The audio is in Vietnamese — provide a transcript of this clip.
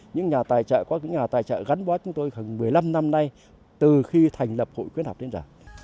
những nhà tài trợ có những nhà tài trợ gắn bó chúng tôi gần một mươi năm năm nay từ khi thành lập hội khuyến học đến giờ